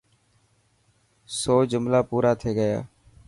سو جملا پورا ٿي گيا.